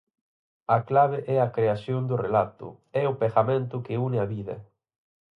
A clave é a creación do relato, é o pegamento que une a vida.